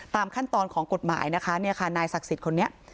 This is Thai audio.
ตามขั้นตอนของกฎหมายนะคะเนี่ยค่ะนายศักดิ์สิทธิ์คนนี้